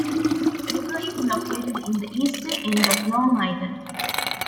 The river is located in the eastern end of Long Island.